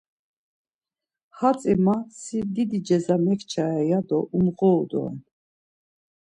Hatzi ma si didi ceza mekçare ya do umğoru doren.